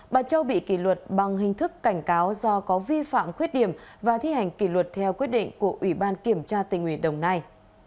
bà châu bị kỷ luật bằng hình thức cảnh cáo do có vi phạm khuyết điểm và thi hành kỷ luật theo quyết định của ủy ban kiểm tra tình ủy đồng nai